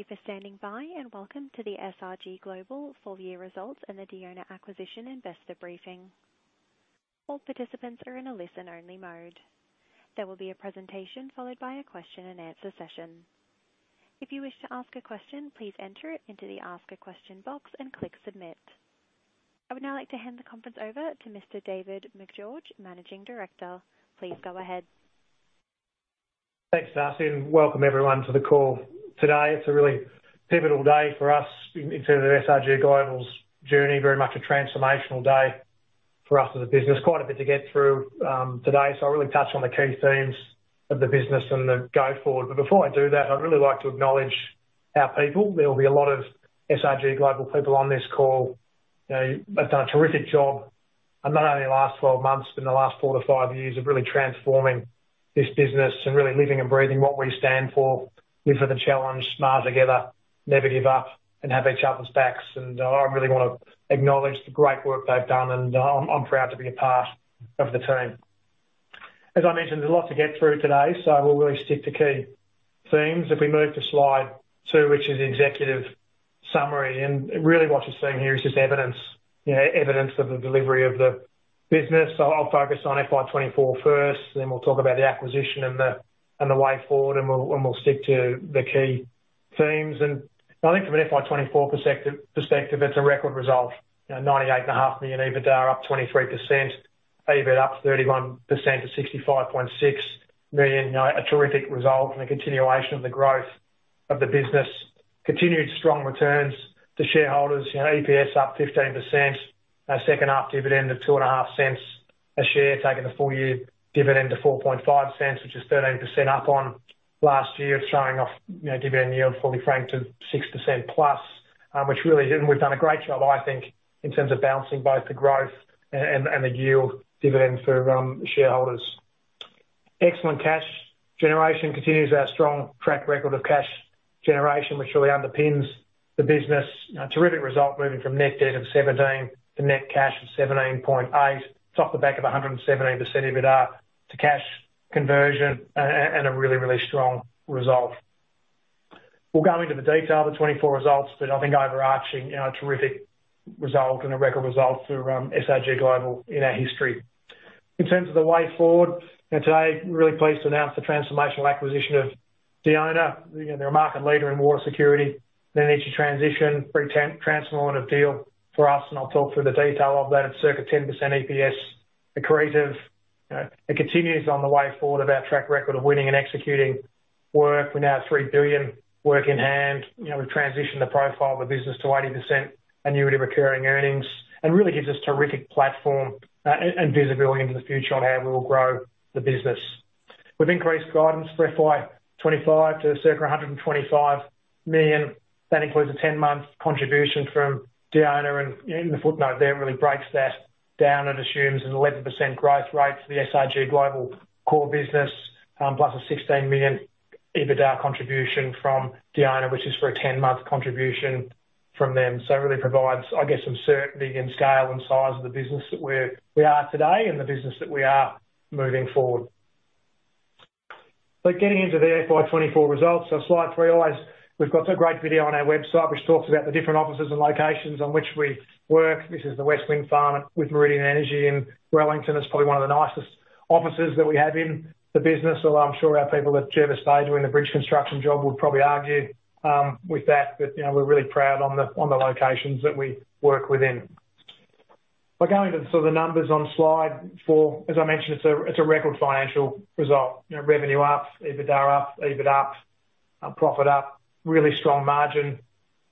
Thank you for standing by, and welcome to the SRG Global full year results and the Diona acquisition investor briefing. All participants are in a listen-only mode. There will be a presentation, followed by a question and answer session. If you wish to ask a question, please enter it into the Ask a Question box and click Submit. I would now like to hand the conference over to Mr. David Macgeorge, Managing Director. Please go ahead. Thanks, Darcy, and welcome everyone to the call. Today, it's a really pivotal day for us in terms of SRG Global's journey, very much a transformational day for us as a business. Quite a bit to get through today, so I'll really touch on the key themes of the business and the go forward. But before I do that, I'd really like to acknowledge our people. There will be a lot of SRG Global people on this call. You know, they've done a terrific job, and not only in the last twelve months, but in the last four to five years of really transforming this business and really living and breathing what we stand for: live for the challenge, smile together, never give up, and have each other's backs. I really wanna acknowledge the great work they've done, and I'm proud to be a part of the team. As I mentioned, there's a lot to get through today, so I will really stick to key themes. If we move to slide 2, which is executive summary, and really what you're seeing here is just evidence, you know, of the delivery of the business. So I'll focus on FY 2024 first, then we'll talk about the acquisition and the way forward, and we'll stick to the key themes. I think from an FY 2024 perspective, it's a record result. You know, 98.5 million EBITDA, up 23%. EBIT up 31% to 65.6 million. You know, a terrific result and a continuation of the growth of the business. Continued strong returns to shareholders. You know, EPS up 15%. Our second half dividend of 0.025 a share, taking the full year dividend to 0.045, which is 13% up on last year, showing our, you know, dividend yield fully franked to 6% plus. Which really and we've done a great job, I think, in terms of balancing both the growth and the yield dividend for shareholders. Excellent cash generation continues our strong track record of cash generation, which really underpins the business. You know, a terrific result, moving from net debt of 17 million to net cash of 17.8 million. It's off the back of 117% EBITDA to cash conversion, and a really strong result. We'll go into the detail of the 24 results, but I think overarching, you know, a terrific result and a record result for SRG Global in our history. In terms of the way forward, and today, we're really pleased to announce the transformational acquisition of Diona. You know, they're a market leader in water security. They need to transition, pretty transformative deal for us, and I'll talk through the detail of that. It's circa 10% EPS accretive. You know, it continues on the way forward of our track record of winning and executing work. We now have 3 billion work in hand. You know, we've transitioned the profile of the business to 80% annuity recurring earnings, and really gives us terrific platform and visibility into the future on how we will grow the business. We've increased guidance for FY25 to circa 125 million. That includes a 10-month contribution from Diona, and, you know, in the footnote there, really breaks that down and assumes an 11% growth rate for the SRG Global core business, plus a 16 million EBITDA contribution from Diona, which is for a 10-month contribution from them. So it really provides, I guess, some certainty and scale and size of the business that we are today and the business that we are moving forward. But getting into the FY24 results, so slide 3, always, we've got a great video on our website which talks about the different offices and locations on which we work. This is the West Wind Farm with Meridian Energy in Wellington. It's probably one of the nicest offices that we have in the business, although I'm sure our people at Jervois Bridge, doing the bridge construction job, would probably argue with that. But, you know, we're really proud on the locations that we work within. We're going into sort of the numbers on slide four. As I mentioned, it's a record financial result. You know, revenue up, EBITDA up, EBIT up, profit up. Really strong margin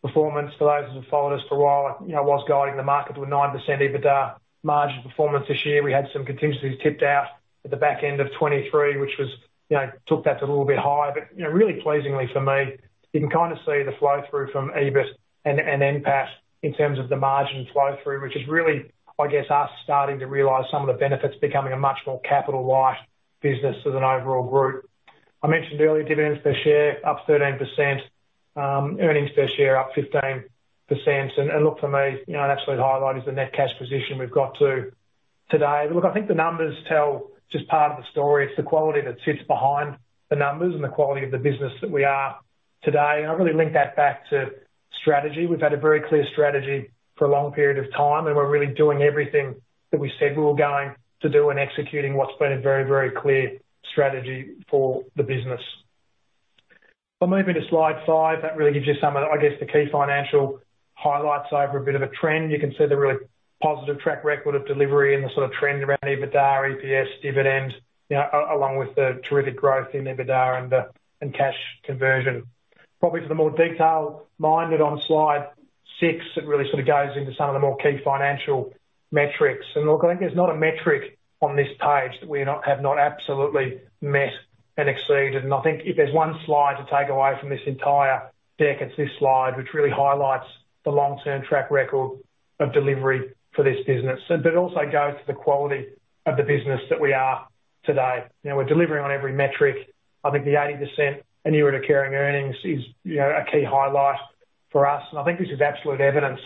performance. For those who have followed us for a while, I, you know, was guiding the market with 9% EBITDA margin performance this year. We had some contingencies tipped out at the back end of 2023, which was, you know, took that to a little bit higher. But, you know, really pleasingly for me, you can kind of see the flow-through from EBIT and NPAT in terms of the margin flow-through, which is really, I guess, us starting to realize some of the benefits of becoming a much more capital light business as an overall group. I mentioned earlier, dividends per share up 13%, earnings per share up 15%. And look, for me, you know, an absolute highlight is the net cash position we've got to today. But look, I think the numbers tell just part of the story. It's the quality that sits behind the numbers and the quality of the business that we are today, and I really link that back to strategy. We've had a very clear strategy for a long period of time, and we're really doing everything that we said we were going to do and executing what's been a very, very clear strategy for the business. I'll move into slide five. That really gives you some of the, I guess, the key financial highlights over a bit of a trend. You can see the really positive track record of delivery and the sort of trend around EBITDA, EPS, dividends, you know, along with the terrific growth in EBITDA and cash conversion. Probably for the more detail-minded, on slide six, it really sort of goes into some of the more key financial metrics. And look, I think there's not a metric on this page that we have not absolutely met and exceeded. I think if there's one slide to take away from this entire deck, it's this slide, which really highlights the long-term track record of delivery for this business. But it also goes to the quality of the business that we are today. You know, we're delivering on every metric. I think the 80% annuity recurring earnings is, you know, a key highlight for us, and I think this is absolute evidence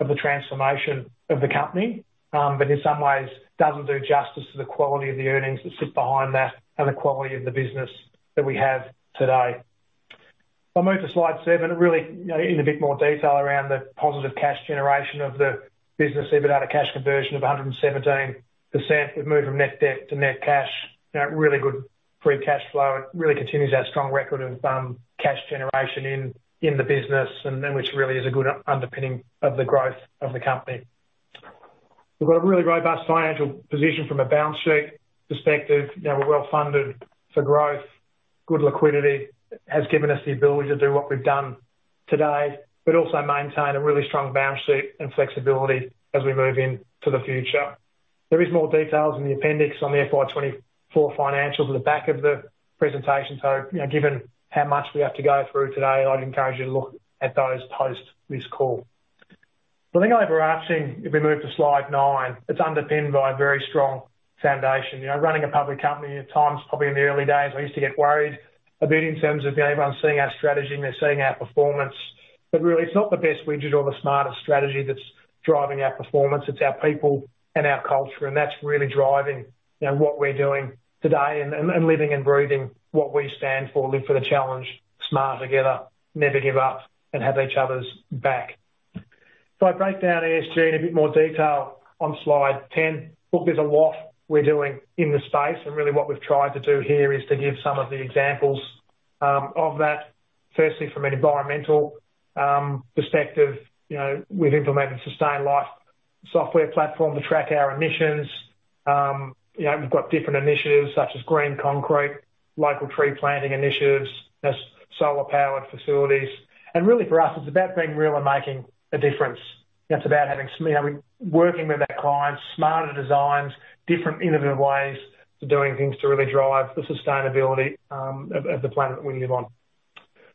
of the transformation of the company, but in some ways doesn't do justice to the quality of the earnings that sit behind that and the quality of the business that we have today. If I move to slide 7, really, you know, in a bit more detail around the positive cash generation of the business, EBITDA cash conversion of 117%. We've moved from net debt to net cash, you know, really good free cash flow. It really continues our strong record of cash generation in the business, and then which really is a good underpinning of the growth of the company. We've got a really robust financial position from a balance sheet perspective. You know, we're well-funded for growth. Good liquidity has given us the ability to do what we've done today, but also maintain a really strong balance sheet and flexibility as we move into the future. There is more details in the appendix on the FY24 financials at the back of the presentation, so, you know, given how much we have to go through today, I'd encourage you to look at those post this call. The thing overarching, if we move to slide nine, it's underpinned by a very strong foundation. You know, running a public company at times, probably in the early days, I used to get worried a bit in terms of, you know, everyone seeing our strategy and they're seeing our performance. But really, it's not the best widget or the smartest strategy that's driving our performance, it's our people and our culture, and that's really driving, you know, what we're doing today and living and breathing what we stand for: Live for the challenge, smarter together, never give up, and have each other's back. So I break down ESG in a bit more detail on slide ten. Look, there's a lot we're doing in this space, and really what we've tried to do here is to give some of the examples of that. Firstly, from an environmental perspective, you know, we've implemented Sustain.Life software platform to track our emissions. You know, we've got different initiatives such as green concrete, local tree planting initiatives, there's solar-powered facilities, and really, for us, it's about being real and making a difference. It's about having I mean, working with our clients, smarter designs, different innovative ways to doing things to really drive the sustainability of the planet that we live on.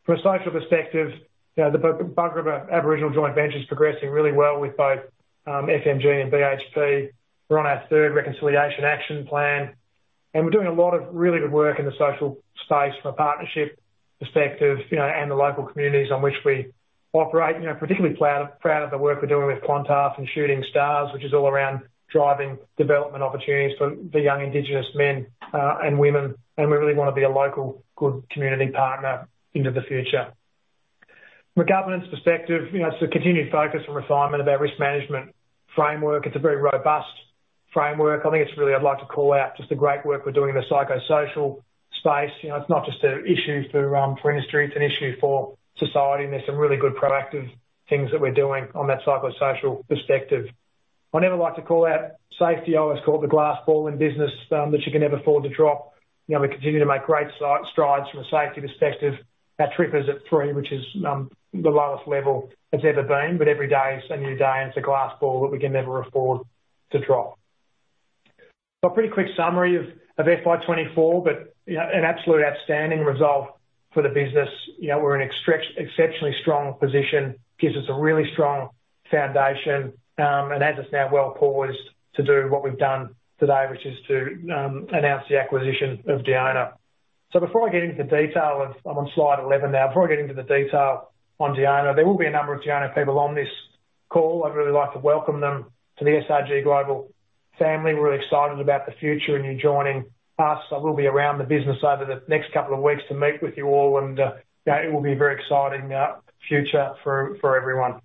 From a social perspective, you know, the Bugarrba Aboriginal Joint Venture is progressing really well with both FMG and BHP. We're on our third Reconciliation Action Plan, and we're doing a lot of really good work in the social space from a partnership perspective, you know, and the local communities on which we operate. You know, particularly proud, proud of the work we're doing with Qantas and Shooting Stars, which is all around driving development opportunities for the young indigenous men, and women, and we really wanna be a local, good community partner into the future. From a governance perspective, you know, it's a continued focus and refinement of our risk management framework. It's a very robust framework. I think it's really... I'd like to call out just the great work we're doing in the psychosocial space. You know, it's not just an issue for, for industry, it's an issue for society, and there's some really good proactive things that we're doing on that psychosocial perspective. I never like to call out safety. I always call it the glass ball in business, that you can never afford to drop. You know, we continue to make great strides from a safety perspective. Our trip is at three, which is the lowest level it's ever been, but every day is a new day, and it's a glass ball that we can never afford to drop. So a pretty quick summary of FY24, but, you know, an absolute outstanding result for the business. You know, we're in exceptionally strong position, gives us a really strong foundation, and has us now well poised to do what we've done today, which is to announce the acquisition of Diona. So before I get into the detail of. I'm on slide 11 now. Before I get into the detail on Diona, there will be a number of Diona people on this call. I'd really like to welcome them to the SRG Global family. We're excited about the future, and you joining us. I will be around the business over the next couple of weeks to meet with you all, and, you know, it will be a very exciting future for everyone.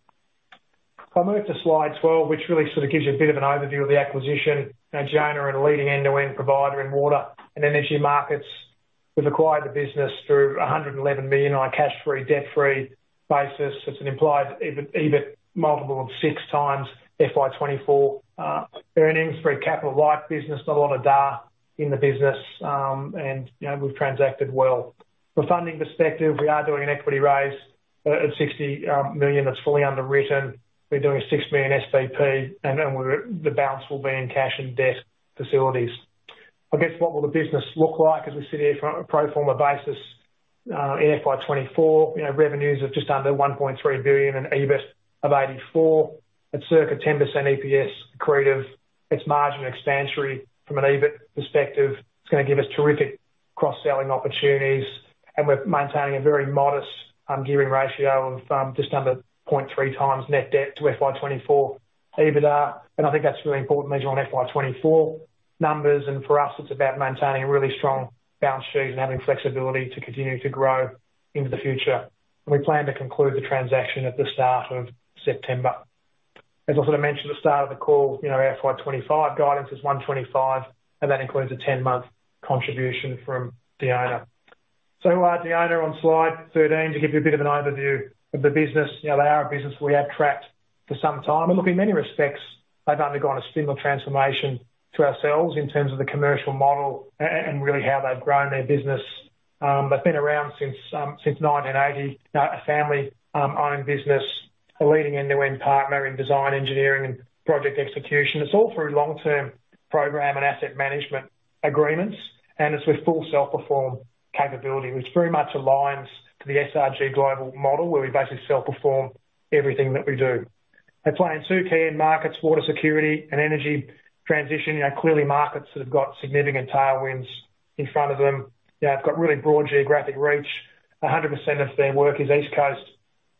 If I move to slide 12, which really sort of gives you a bit of an overview of the acquisition. Now, Diona are a leading end-to-end provider in water and energy markets. We've acquired the business through 111 million on a cash-free, debt-free basis. It's an implied EBIT multiple of 6 times FY 2024 earnings. It's very capital light business, not a lot of D&A in the business, and, you know, we've transacted well. From a funding perspective, we are doing an equity raise at 60 million. That's fully underwritten. We're doing a 6 million SPP, and then the balance will be in cash and debt facilities. I guess, what will the business look like as we sit here from a pro forma basis in FY24? You know, revenues of just under 1.3 billion and EBIT of 84 at circa 10% EPS accretive. It's margin expansionary from an EBIT perspective. It's gonna give us terrific cross-selling opportunities, and we're maintaining a very modest gearing ratio of just under 0.3 times net debt to FY24 EBITDA, and I think that's a really important measure on FY24 numbers. And for us, it's about maintaining a really strong balance sheet and having flexibility to continue to grow into the future. We plan to conclude the transaction at the start of September. As I sort of mentioned at the start of the call, you know, our FY25 guidance is 125, and that includes a 10-month contribution from Diona. So, Diona on slide 13, to give you a bit of an overview of the business. You know, they are a business we have tracked for some time, and look, in many respects, they've undergone a similar transformation to ourselves in terms of the commercial model and really how they've grown their business. They've been around since 1980. A family owned business, a leading end-to-end partner in design, engineering, and project execution. It's all through long-term program and asset management agreements, and it's with full self-perform capability, which very much aligns to the SRG Global model, where we basically self-perform everything that we do. They play in two key end markets, water security and energy transition. You know, clearly markets that have got significant tailwinds in front of them. They've got really broad geographic reach. 100% of their work is East Coast,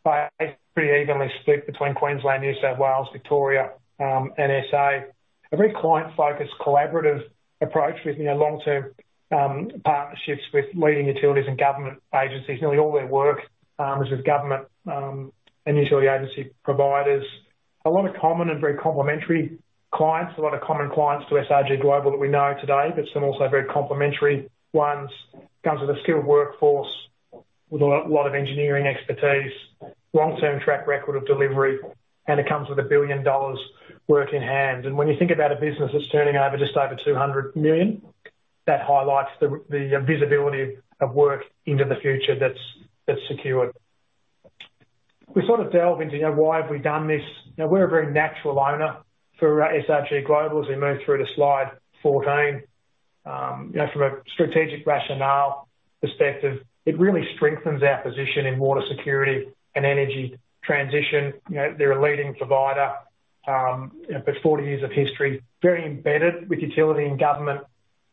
but pretty evenly split between Queensland, New South Wales, Victoria, and SA. A very client-focused, collaborative approach with, you know, long-term partnerships with leading utilities and government agencies. Nearly all their work is with government and utility agency providers. A lot of common and very complementary clients, a lot of common clients to SRG Global that we know today, but some also very complementary ones. Comes with a skilled workforce with a lot of engineering expertise, long-term track record of delivery, and it comes with 1 billion dollars work in hand. When you think about a business that's turning over just over 200 million, that highlights the visibility of work into the future that's secured. We sort of delve into, you know, why have we done this? Now, we're a very natural owner for SRG Global, as we move through to slide 14. You know, from a strategic rationale perspective, it really strengthens our position in water security and energy transition. You know, they're a leading provider with 40 years of history, very embedded with utility and government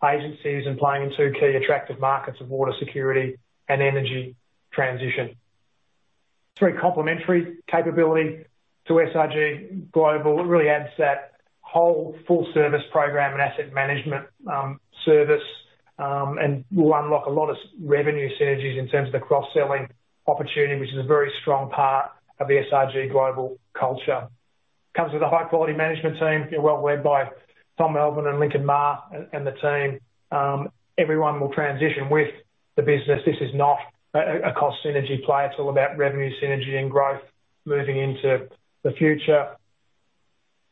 agencies, and playing in two key attractive markets of water security and energy transition. It's very complementary capability to SRG Global. It really adds that whole full service program and asset management, service, and will unlock a lot of revenue synergies in terms of the cross-selling opportunity, which is a very strong part of the SRG Global culture. Comes with a high-quality management team, well led by Tom Melvin and Lincoln Marr and the team. Everyone will transition with the business. This is not a cost synergy play. It's all about revenue synergy and growth moving into the future.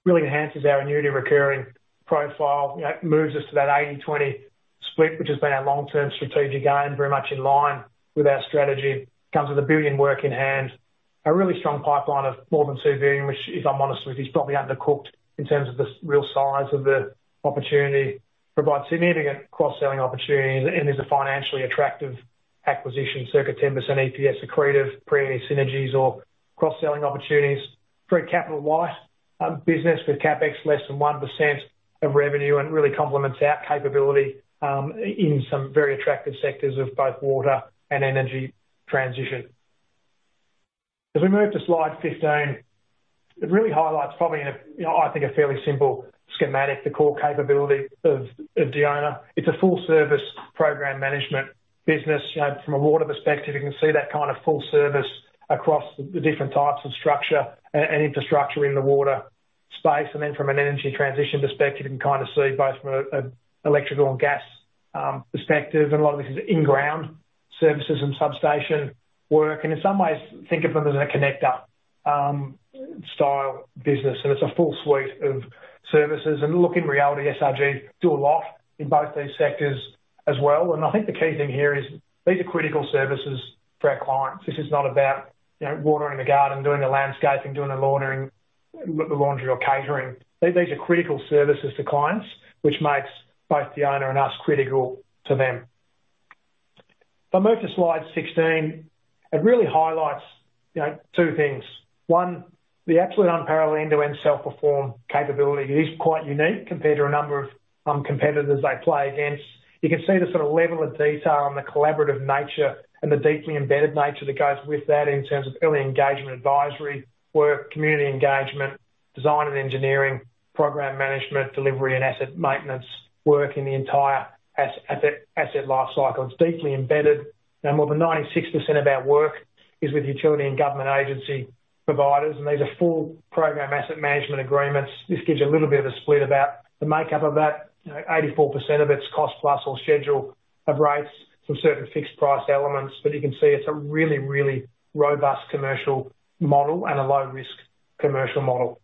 Really enhances our annuity recurring profile. You know, it moves us to that eighty-twenty split, which has been our long-term strategic aim, very much in line with our strategy. Comes with 1 billion work in hand, a really strong pipeline of more than 2 billion, which, if I'm honest with you, is probably undercooked in terms of the real size of the opportunity. Provides significant cross-selling opportunities, and is a financially attractive acquisition, circa 10% EPS accretive, pre any synergies or cross-selling opportunities. Very capital light business, with CapEx less than 1% of revenue, and really complements our capability in some very attractive sectors of both water and energy transition. As we move to slide 15, it really highlights probably in a, you know, I think, a fairly simple schematic, the core capability of Diona. It's a full service program management business. You know, from a water perspective, you can see that kind of full service across the different types of structure and infrastructure in the water space. And then from an energy transition perspective, you can kind of see both from an electrical and gas perspective, and a lot of this is in-ground services and substation work. In some ways, think of them as a connector style business, and it's a full suite of services. Look, in reality, SRG do a lot in both these sectors as well. I think the key thing here is these are critical services for our clients. This is not about, you know, watering the garden, doing the landscaping, doing the laundering, the laundry, or catering. These are critical services to clients, which makes both the owner and us critical to them. If I move to slide 16, it really highlights, you know, two things. One, the absolute unparalleled end-to-end self-perform capability. It is quite unique compared to a number of competitors they play against. You can see the sort of level of detail and the collaborative nature, and the deeply embedded nature that goes with that in terms of early engagement, advisory work, community engagement, design and engineering, program management, delivery, and asset maintenance work in the entire asset lifecycle. It's deeply embedded. Now, more than 96% of our work is with utility and government agency providers, and these are full program asset management agreements. This gives you a little bit of a split about the makeup of that. You know, 84% of it's cost plus or schedule of rates for certain fixed price elements, but you can see it's a really, really robust commercial model and a low risk commercial model.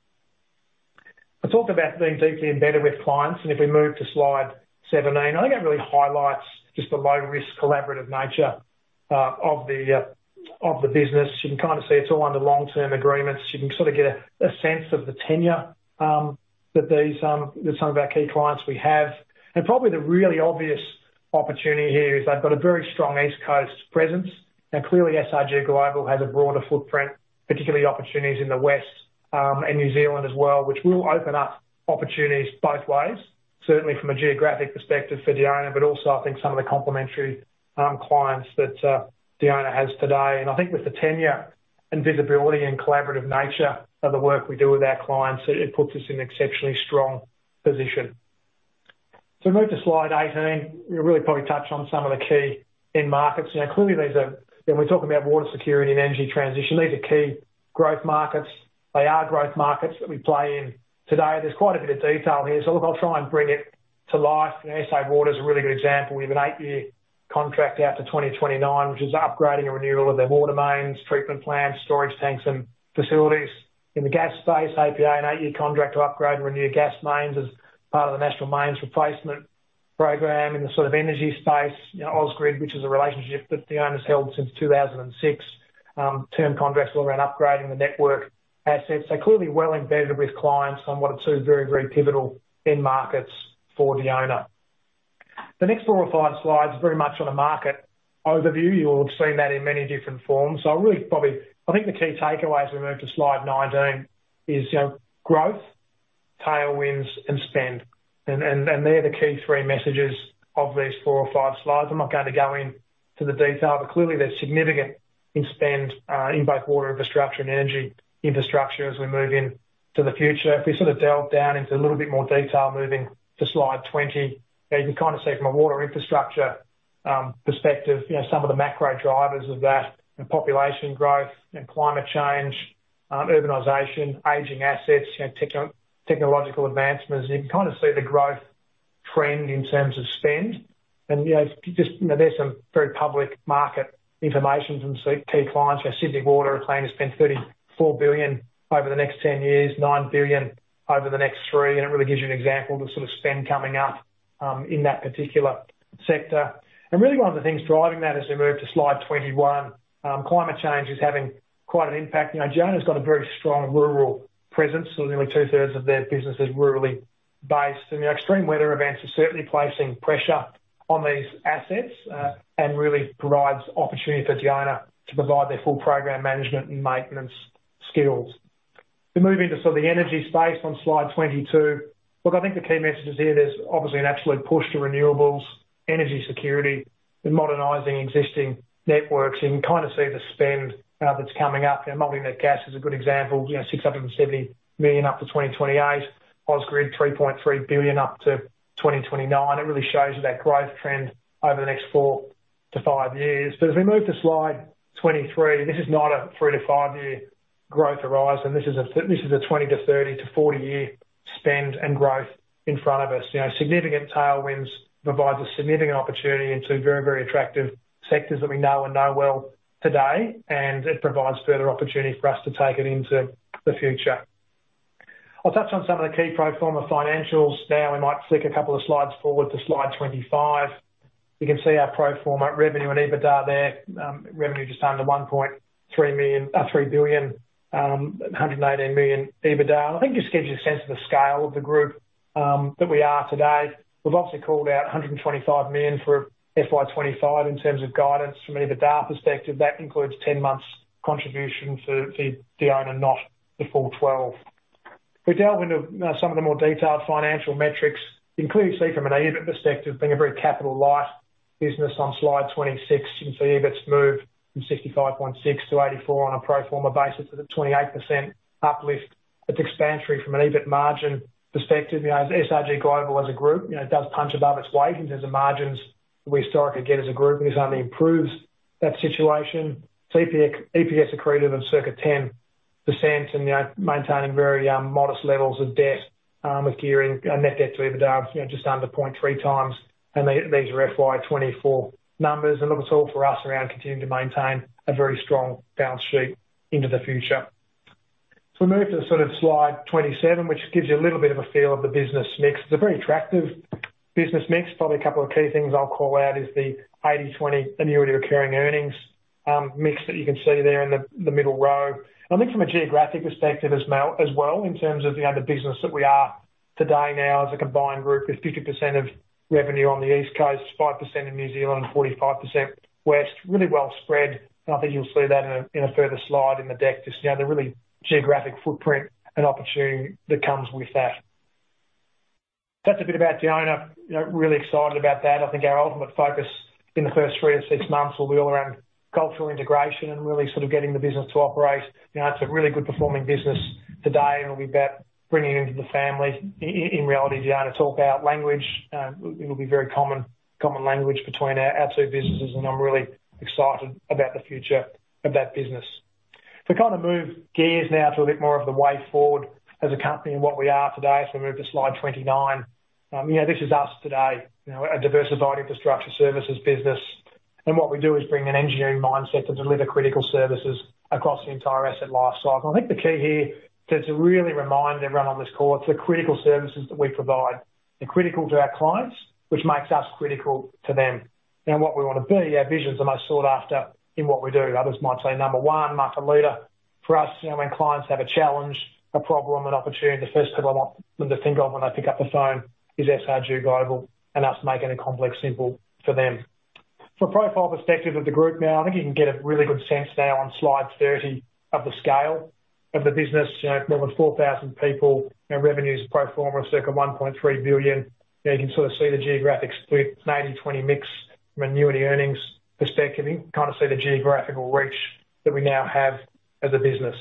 I talked about being deeply embedded with clients, and if we move to slide seventeen, I think it really highlights just the low risk, collaborative nature of the business. You can kind of see it's all under long-term agreements. You can sort of get a sense of the tenure that some of our key clients we have, and probably the really obvious opportunity here is they've got a very strong East Coast presence. Now, clearly, SRG Global has a broader footprint, particularly opportunities in the West and New Zealand as well, which will open up opportunities both ways, certainly from a geographic perspective for Diona, but also, I think some of the complementary clients that Diona has today. I think with the tenure and visibility and collaborative nature of the work we do with our clients, it puts us in exceptionally strong position. If we move to slide eighteen, we really probably touch on some of the key end markets. You know, clearly, these are. When we talk about water security and energy transition, these are key growth markets. They are growth markets that we play in today. There's quite a bit of detail here, so look, I'll try and bring it to life. SA Water is a really good example. We have an eight-year contract out to twenty twenty-nine, which is upgrading and renewal of their water mains, treatment plants, storage tanks, and facilities. In the gas space, APA, an eight-year contract to upgrade and renew gas mains as part of the national mains replacement program. In the sort of energy space, you know, Ausgrid, which is a relationship that Diona's held since 2006. Term contracts all around upgrading the network assets. So clearly well-embedded with clients on what are two very, very pivotal end markets for Diona.... The next four or five slides are very much on a market overview. You'll have seen that in many different forms. So I really probably, I think the key takeaways, as we move to slide 19, is, you know, growth, tailwinds, and spend. And they're the key three messages of these four or five slides. I'm not going to go into the detail, but clearly, there's significant in spend in both water infrastructure and energy infrastructure as we move into the future. If we sort of delve down into a little bit more detail, moving to slide 20, you can kind of see from a water infrastructure perspective, you know, some of the macro drivers of that, the population growth and climate change, urbanization, aging assets, and technological advancements. You can kind of see the growth trend in terms of spend. You know, just, you know, there's some very public market information from some key clients. You know, Sydney Water are planning to spend AUD 34 billion over the next 10 years, AUD 9 billion over the next 3, and it really gives you an example of the sort of spend coming up in that particular sector. Really, one of the things driving that as we move to slide 21, climate change is having quite an impact. You know, Diona's got a very strong rural presence, so nearly two-thirds of their business is rurally based. And, you know, extreme weather events are certainly placing pressure on these assets, and really provides opportunity for Diona to provide their full program management and maintenance skills. We move into sort of the energy space on slide 22. Look, I think the key messages here, there's obviously an absolute push to renewables, energy security, and modernizing existing networks, and you can kind of see the spend, that's coming up. And Multinet Gas is a good example, you know, 670 million up to 2028, Ausgrid, 3.3 billion up to 2029. It really shows you that growth trend over the next four to five years. But as we move to slide 23, this is not a three- to five-year growth horizon. This is a 20- to 30- to 40-year spend and growth in front of us. You know, significant tailwinds provides a significant opportunity into very, very attractive sectors that we know and know well today, and it provides further opportunity for us to take it into the future. I'll touch on some of the key pro forma financials. Now, we might flick a couple of slides forward to slide 25. You can see our pro forma revenue and EBITDA there. Revenue just under 1.3 billion, 118 million EBITDA. I think it just gives you a sense of the scale of the group, that we are today. We've obviously called out 125 million for FY 2025 in terms of guidance from an EBITDA perspective. That includes ten months' contribution for the owner, not the full twelve. We delve into some of the more detailed financial metrics. You can clearly see from an EBIT perspective, being a very capital light business on Slide 26, you can see EBITs move from 65.6 to 84 on a pro forma basis at a 28% uplift. It's expansionary from an EBIT margin perspective. You know, SRG Global, as a group, you know, does punch above its weight in terms of margins we historically get as a group, and this only improves that situation. EPS accretive of circa 10% and, you know, maintaining very modest levels of debt, with gearing, net debt to EBITDA, you know, just under 0.3 times, and these are FY24 numbers. Look, it's all for us around continuing to maintain a very strong balance sheet into the future. We move to sort of slide 27, which gives you a little bit of a feel of the business mix. It's a very attractive business mix. Probably a couple of key things I'll call out is the 80/20 annuity recurring earnings mix that you can see there in the middle row. I think from a geographic perspective as well, in terms of the other business that we are today now as a combined group, with 50% of revenue on the East Coast, 5% in New Zealand, 45% West, really well spread. I think you'll see that in a further slide in the deck, just, you know, the really geographic footprint and opportunity that comes with that. That's a bit about Diona. You know, really excited about that. I think our ultimate focus in the first three to six months will be all around cultural integration and really sort of getting the business to operate. You know, it's a really good performing business today, and it'll be about bringing into the family. In reality, Diona, talk about language, it will be very common language between our two businesses, and I'm really excited about the future of that business. To kind of move gears now to a bit more of the way forward as a company and what we are today, as we move to slide twenty-nine. You know, this is us today. You know, a diversified infrastructure services business, and what we do is bring an engineering mindset to deliver critical services across the entire asset life cycle. I think the key here is to really remind everyone on this call, it's the critical services that we provide. They're critical to our clients, which makes us critical to them, and what we want to be, our vision's the most sought after in what we do. Others might say, "Number one, market leader." For us, you know, when clients have a challenge, a problem, an opportunity, the first people I want them to think of when they pick up the phone is SRG Global and us making it complex, simple for them. For a profile perspective of the group now, I think you can get a really good sense now on Slide 30 of the scale of the business. You know, more than 4,000 people, and revenue's pro forma of circa 1.3 billion. You can sort of see the geographic split, an 80/20 mix from annuity earnings perspective. You can kind of see the geographical reach that we now have as a business.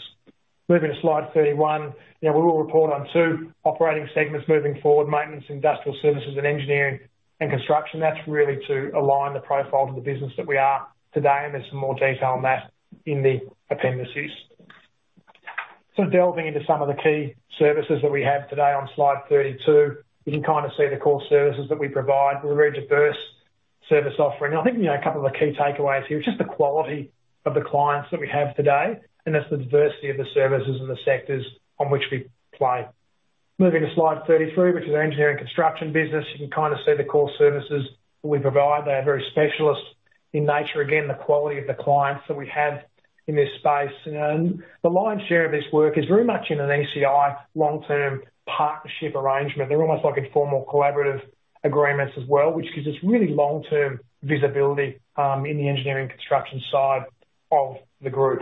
Moving to Slide 31, you know, we will report on two operating segments moving forward: maintenance, industrial services, and engineering and construction. That's really to align the profile to the business that we are today, and there's some more detail on that in the appendices. So delving into some of the key services that we have today on Slide 32, you can kind of see the core services that we provide. We're a very diverse service offering. I think, you know, a couple of the key takeaways here, just the quality of the clients that we have today, and that's the diversity of the services and the sectors on which we play. Moving to Slide thirty-three, which is engineering construction business. You can kind of see the core services we provide. They are very specialist in nature. Again, the quality of the clients that we have in this space. And the lion's share of this work is very much in an ECI long-term partnership arrangement. They're almost like a formal collaborative agreements as well, which gives us really long-term visibility in the engineering construction side of the group.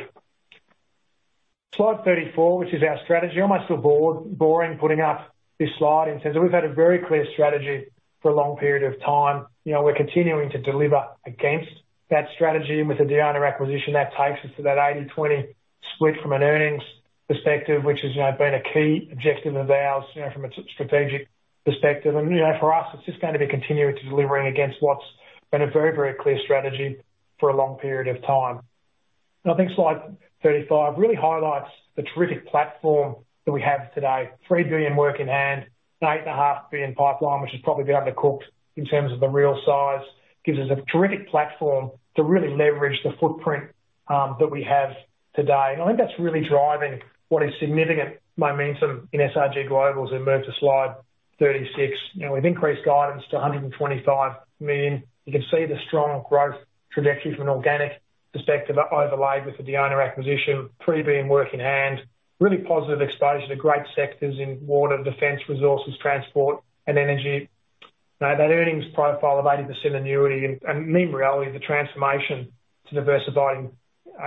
Slide thirty-four, which is our strategy. Almost a bore, boring, putting up this slide in terms of we've had a very clear strategy for a long period of time. You know, we're continuing to deliver against that strategy, and with the Diona acquisition, that takes us to that eighty/twenty split from an earnings perspective, which has, you know, been a key objective of ours, you know, from a strategic perspective. You know, for us, it's just going to be continuing to delivering against what's been a very, very clear strategy for a long period of time. I think slide 35 really highlights the terrific platform that we have today. 3 billion work in hand, an 8.5 billion pipeline, which is probably a bit undercooked in terms of the real size, gives us a terrific platform to really leverage the footprint, that we have today. I think that's really driving what is significant momentum in SRG Global as we move to slide 36. You know, we've increased guidance to 125 million. You can see the strong growth trajectory from an organic perspective, overlaid with the Diona acquisition, pre-being work in hand, really positive exposure to great sectors in water, defense, resources, transport, and energy. Now, that earnings profile of 80% annuity and in reality, the transformation to diversifying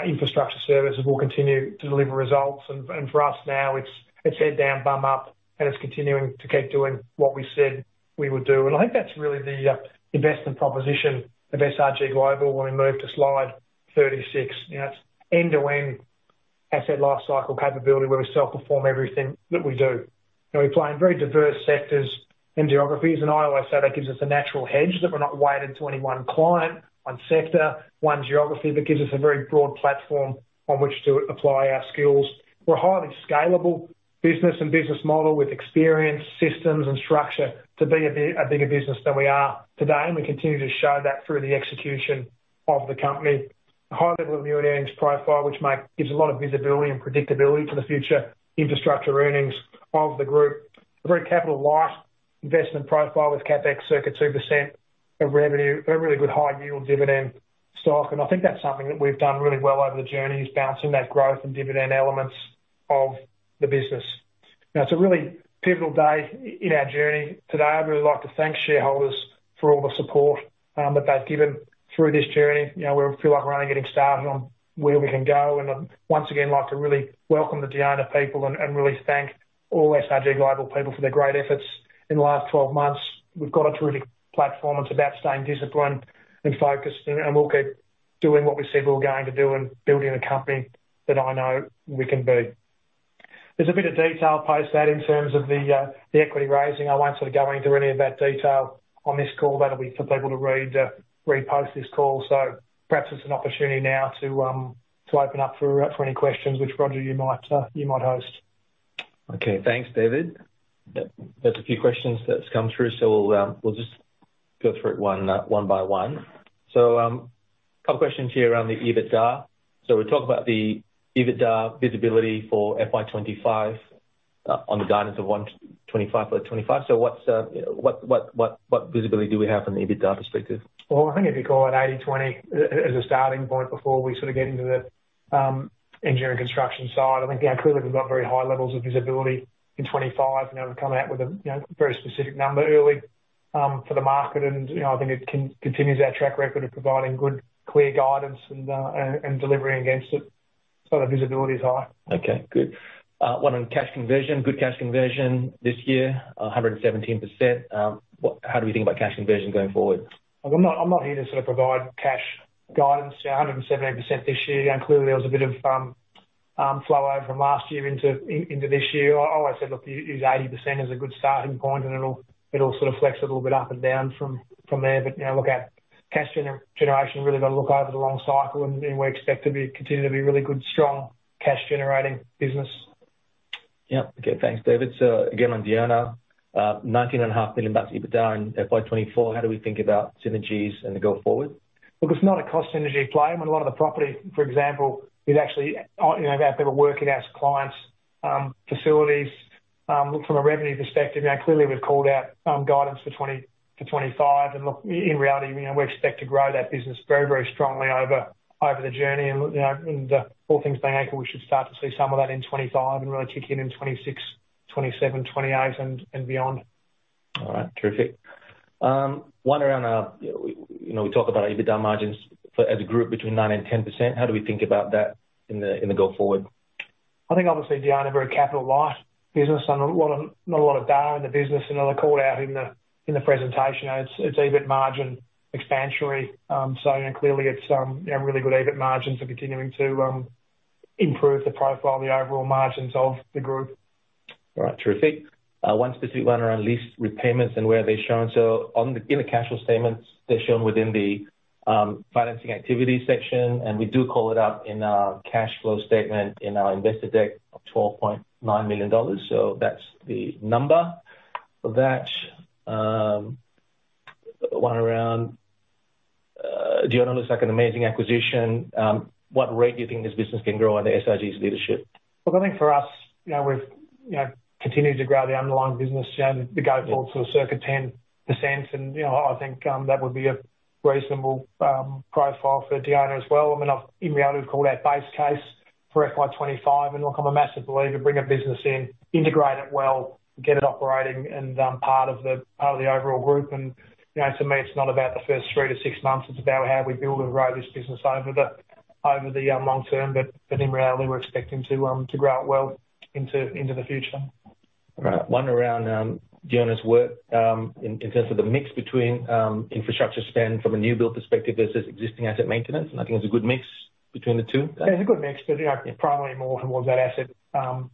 infrastructure services will continue to deliver results. And for us now, it's head down, bum up, and it's continuing to keep doing what we said we would do. And I think that's really the investment proposition of SRG Global when we move to slide 36. You know, it's end-to-end asset life cycle capability, where we self-perform everything that we do. You know, we play in very diverse sectors and geographies, and I always say that gives us a natural hedge, that we're not weighted to any one client, one sector, one geography, but gives us a very broad platform on which to apply our skills. We're a highly scalable business and business model with experience, systems, and structure to be a bigger business than we are today, and we continue to show that through the execution of the company. A high level of annuity earnings profile, which gives a lot of visibility and predictability to the future infrastructure earnings of the group. A very capital light investment profile with CapEx, circa 2% of revenue, a really good high yield dividend stock. And I think that's something that we've done really well over the journey, is balancing that growth and dividend elements of the business. Now, it's a really pivotal day in our journey. Today, I'd really like to thank shareholders for all the support that they've given through this journey. You know, we feel like we're only getting started on where we can go, and I'd once again like to really welcome the Diona people and really thank all SRG Global people for their great efforts in the last twelve months. We've got a terrific platform. It's about staying disciplined and focused, and we'll keep doing what we said we were going to do and building a company that I know we can be. There's a bit of detail post that in terms of the equity raising. I won't sort of go into any of that detail on this call. That'll be for people to read post this call. So perhaps it's an opportunity now to open up for any questions which, Roger, you might host. Okay, thanks, David. Yep, there's a few questions that's come through, so we'll just go through it one by one. So, a couple of questions here around the EBITDA. So we talk about the EBITDA visibility for FY 2025 on the guidance of 125.25. So what visibility do we have from the EBITDA perspective? I think if you call it 80/20 as a starting point before we sort of get into the engineering construction side, I think, yeah, clearly, we've got very high levels of visibility in 2025, and we've come out with a, you know, very specific number early for the market, and you know, I think it continues our track record of providing good, clear guidance and delivering against it, so the visibility is high. Okay, good. One on cash conversion. Good cash conversion this year, 117%. How do we think about cash conversion going forward? I'm not, I'm not here to sort of provide cash guidance. Yeah, 117% this year, and clearly, there was a bit of flow over from last year into this year. I always say, look, use 80% as a good starting point, and it'll sort of flex a little bit up and down from there. But, you know, look, our cash generation really got to look over the long cycle, and we expect to continue to be really good, strong cash-generating business. Yep. Okay. Thanks, David. So again, on Diona, 19.5 million bucks EBITDA in FY 2024. How do we think about synergies and the go forward? Look, it's not a cost synergy play. I mean, a lot of the property, for example, is actually, you know, our people work in our clients' facilities. Look, from a revenue perspective, you know, clearly, we've called out guidance for 2025. And look, in reality, you know, we expect to grow that business very, very strongly over the journey. And, look, you know, and all things being equal, we should start to see some of that in 2025 and really kick in in 26, 27, 28 and beyond. All right. Terrific. One around, you know, we talk about EBITDA margins for as a group between 9% and 10%. How do we think about that in the go forward? I think obviously, Diona, a very capital light business and a lot of... not a lot of debt in the business. Another call out in the presentation, it's EBIT margin expansionary. So, and clearly, it's you know, really good EBIT margins are continuing to improve the profile, the overall margins of the group. All right. Terrific. One specific one around lease repayments and where they've shown. So on the, in the cash flow statements, they're shown within the, financing activity section, and we do call it out in our cash flow statement in our investor deck of 12.9 million dollars. So that's the number for that. One around, Diona looks like an amazing acquisition. What rate do you think this business can grow under SRG's leadership?... Look, I think for us, you know, we've, you know, continued to grow the underlying business, to go forward to a circa 10%, and, you know, I think, that would be a reasonable, profile for Diona as well. I mean, I've, in reality, we've called our base case for FY25, and look, I'm a massive believer, bring a business in, integrate it well, get it operating and, part of the, part of the overall group. And, you know, to me, it's not about the first three to six months, it's about how we build and grow this business over the, long term. But, in reality, we're expecting to, to grow it well into, into the future. All right. One around Diona's work in terms of the mix between infrastructure spend from a new build perspective versus existing asset maintenance. And I think it's a good mix between the two? Yeah, it's a good mix, but, you know, primarily more towards that asset,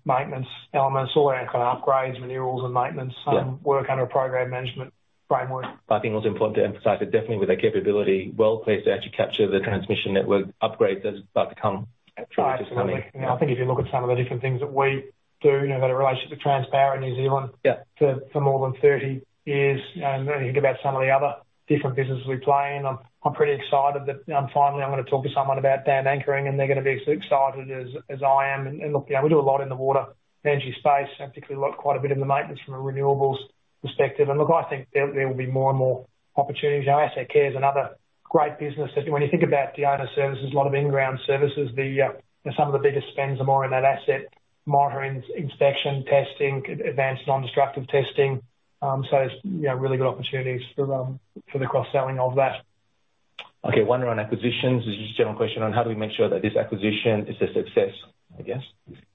maintenance elements or any kind of upgrades, renewals, and maintenance- Yeah Work under a program management framework. I think it's important to emphasize that definitely with that capability, well-placed to actually capture the transmission network upgrades that are about to come through. I think if you look at some of the different things that we do, you know, we've had a relationship with Transpower New Zealand- Yeah For more than thirty years, and then you think about some of the other different businesses we play in. I'm pretty excited that finally, I'm gonna talk to someone about dam anchoring, and they're gonna be as excited as I am. And look, yeah, we do a lot in the water energy space, and particularly, we've got quite a bit in the maintenance from a renewables perspective. And look, I think there will be more and more opportunities. You know, Asset Care is another great business. When you think about Diona services, a lot of in-ground services, some of the biggest spends are more in that asset monitoring, inspection, testing, advanced non-destructive testing. So it's, you know, really good opportunities for the cross-selling of that. Okay, one around acquisitions. Just a general question on how do we make sure that this acquisition is a success, I guess?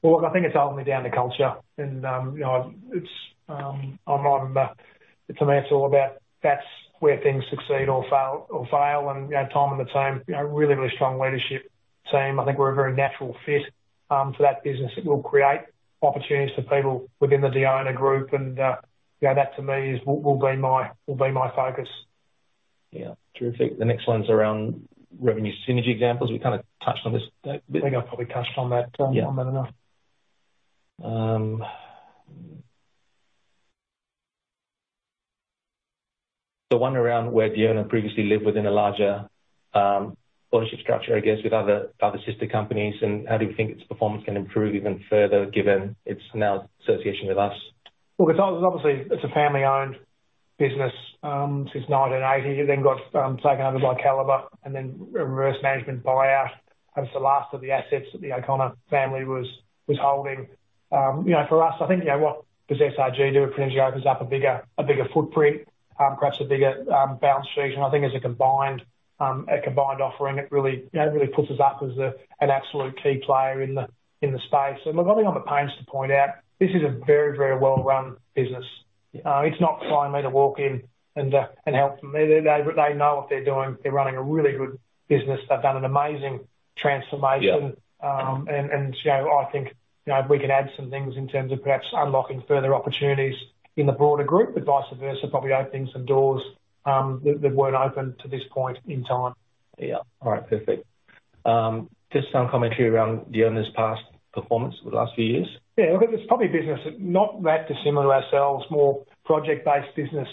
Look, I think it's ultimately down to culture and, you know, it's all about that's where things succeed or fail, and, you know, time on the team, you know, really, really strong leadership team. I think we're a very natural fit for that business. It will create opportunities for people within the Diona group, and, you know, that to me will be my focus. Yeah. Terrific. The next one's around revenue synergy examples. We kind of touched on this. I think I probably touched on that enough. So one around where Diona previously lived within a larger ownership structure, I guess, with other sister companies, and how do you think its performance can improve even further, given its new association with us? Because obviously, it's a family-owned business since 1980, and then got taken over by Calibre and then reverse management buyout. It's the last of the assets that the O'Connor family was holding. You know, for us, I think, you know, what does SRG do? It pretty much opens up a bigger footprint, perhaps a bigger balance sheet. And I think as a combined offering, it really, you know, it really puts us up as an absolute key player in the space. And look, I think I'm at pains to point out, this is a very, very well-run business. It's not for me to walk in and help them. They know what they're doing. They're running a really good business. They've done an amazing transformation. Yeah. And, you know, I think, you know, we can add some things in terms of perhaps unlocking further opportunities in the broader group, but vice versa, probably opening some doors that weren't open to this point in time. Yeah. All right. Perfect. Just some commentary around Diona's past performance over the last few years. Yeah, look, it's probably a business not that dissimilar to ourselves, more project-based business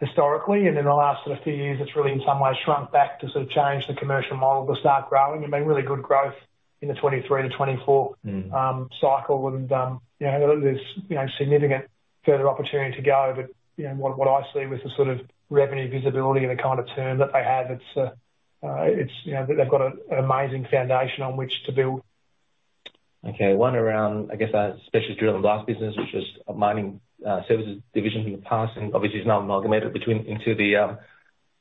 historically, and in the last sort of few years, it's really in some ways shrunk back to sort of change the commercial model to start growing, and made really good growth in the 23-24- Mm. cycle. And you know, there's you know significant further opportunity to go. But you know what I see with the sort of revenue visibility and the kind of term that they have, it's you know they've got an amazing foundation on which to build. Okay, one around, I guess, a specialist drill and blast business, which is a mining services division in the past, and obviously is now amalgamated into the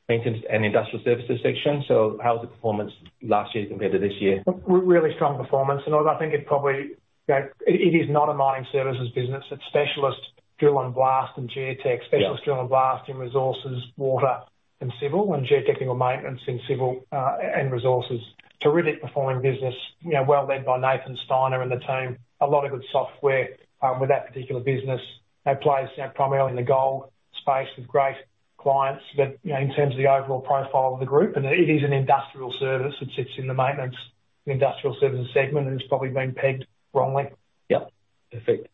maintenance and industrial services section. So how was the performance last year compared to this year? Really strong performance, and I think it probably, you know, it is not a mining services business. It's specialist drill and blast and geotech- Yeah. -specialist drill and blast in resources, water, and civil, and geotechnical maintenance in civil, and resources. Terrific performing business, you know, well led by Nathan Steiner and the team. A lot of good software, with that particular business. That plays out primarily in the gold space with great clients. But, you know, in terms of the overall profile of the group, and it is an industrial service that sits in the maintenance industrial services segment, and it's probably been pegged wrongly. Yep. Perfect.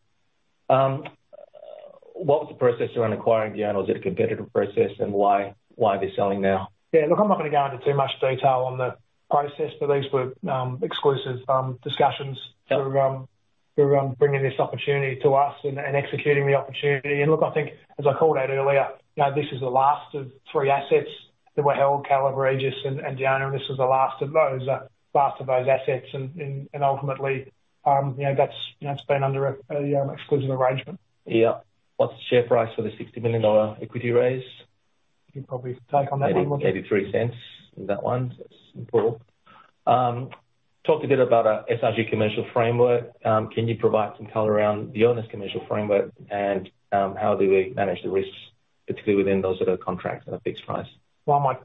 What was the process around acquiring Diona? Was it a competitive process, and why, why are they selling now? Yeah, look, I'm not going to go into too much detail on the process, but these were exclusive discussions- Yep through bringing this opportunity to us and executing the opportunity. And look, I think as I called out earlier, you know, this is the last of three assets that were held, Calibre, G&S, and Diona, and this is the last of those assets. And ultimately, you know, that's, you know, it's been under an exclusive arrangement. Yeah. What's the share price for the 60 million dollar equity raise? You probably take on that one. 0.83, is that one? Simple. Talked a bit about a SRG commercial framework. Can you provide some color around Diona's commercial framework, and, how do we manage the risks, particularly within those sort of contracts that are fixed price? I might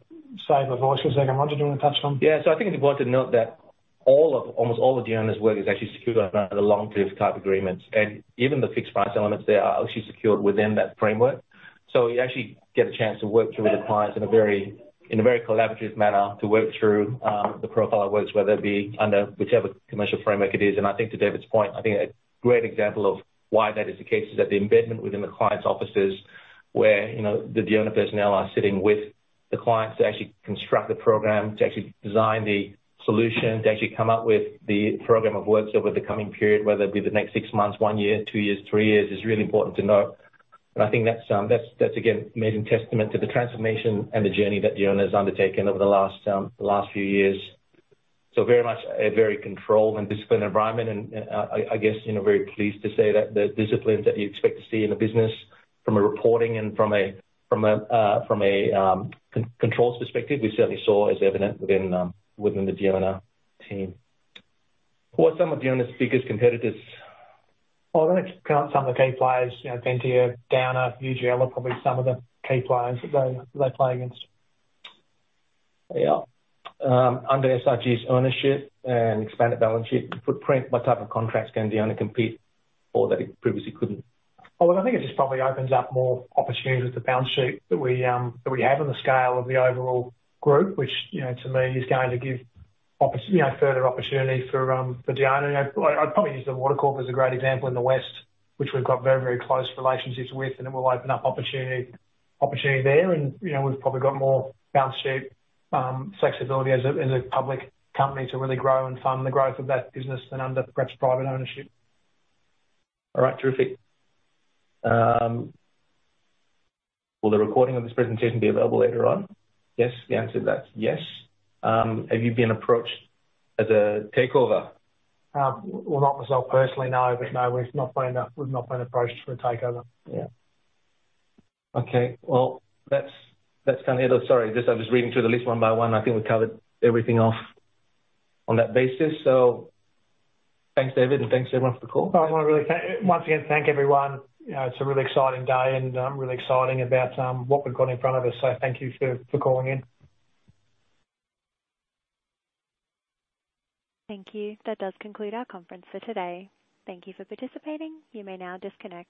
save my voice for a second. Roger, do you want to touch on? Yeah. So I think it's important to note that almost all of Diona's work is actually secured under the long-term type agreements, and even the fixed price elements there are actually secured within that framework. So you actually get a chance to work through the clients in a very, in a very collaborative manner, to work through the profile of works, whether it be under whichever commercial framework it is. And I think to David's point, I think a great example of why that is the case is that the embedment within the client's offices, where you know the Diona personnel are sitting with the clients to actually construct the program, to actually design the solution, to actually come up with the program of work over the coming period, whether it be the next six months, one year, two years, three years, is really important to note. And I think that's again amazing testament to the transformation and the journey that Diona has undertaken over the last few years. So very much a very controlled and disciplined environment, and I guess you know very pleased to say that the disciplines that you expect to see in a business from a reporting and from a controls perspective, we certainly saw as evident within the Diona team. What are some of Diona's biggest competitors? I think some of the key players, you know, Ventia, Downer, UGL, are probably some of the key players that they play against. Yeah. Under SRG's ownership and expanded balance sheet footprint, what type of contracts can Diona compete or that it previously couldn't? Well, I think it just probably opens up more opportunities with the balance sheet that we, that we have on the scale of the overall group, which, you know, to me, is going to give you know, further opportunity for for Diona. You know, I, I'd probably use the Water Corporation as a great example in the West, which we've got very, very close relationships with, and it will open up opportunity, opportunity there. And, you know, we've probably got more balance sheet flexibility as a, as a public company to really grow and fund the growth of that business than under perhaps private ownership. All right. Terrific. Will the recording of this presentation be available later on? Yes, the answer to that's yes. Have you been approached as a takeover? Not myself personally, no. But no, we've not been approached for a takeover. Yeah. Okay, well, that's kind of it. Sorry, I'm just reading through the list one by one. I think we covered everything off on that basis, so thanks, David, and thanks, everyone, for the call. I wanna really thank, once again, everyone. You know, it's a really exciting day, and I'm really exciting about what we've got in front of us, so thank you for calling in. Thank you. That does conclude our conference for today. Thank you for participating. You may now disconnect.